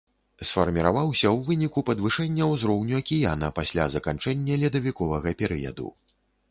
Сфарміраваўся ў выніку падвышэння ўзроўню акіяна пасля заканчэння ледавіковага перыяду.